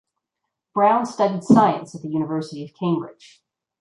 Brown studied science at the University of Cambridge.